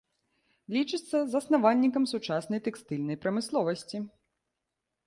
Лічыцца заснавальнікам сучаснай тэкстыльнай прамысловасці.